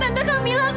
tante ini kamilah tante